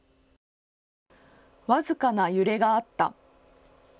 僅かな揺れがあった。